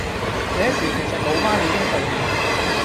這時其實老媽已經睡了